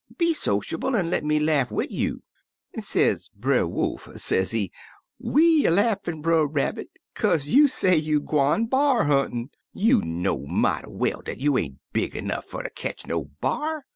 Be sociable an' Ic' me laugh wid you.' Sez Brer Wolf, sezee, *Wc cr laughin'. Brer Rabbit, kaze you say you gwine b'ar huntin'. You know mighty well dat you ain't big 'nough fer ter ketch no b'ar.